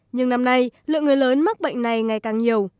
nhưng năm nay lượng người lớn mắc bệnh này ngày càng nhiều